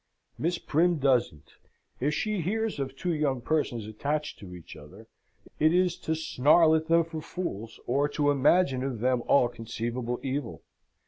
Miss Prim doesn't. If she hears of two young persons attached to each other, it is to snarl at them for fools, or to imagine of them all conceivable evil.